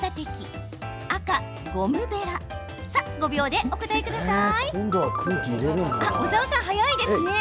５秒でお答えください。